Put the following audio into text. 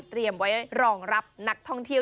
ไว้รองรับนักท่องเที่ยว